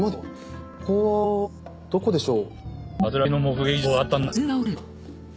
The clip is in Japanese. ここはどこでしょう？